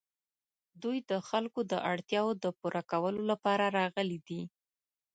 دوی د خلکو د اړتیاوو د پوره کولو لپاره راغلي دي.